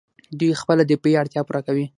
دوی خپله دفاعي اړتیا پوره کوي.